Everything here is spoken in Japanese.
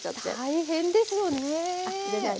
大変ですもんね。